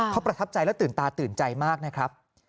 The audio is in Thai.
เขาประทับใจและตื่นตาตื่นใจมากนะครับ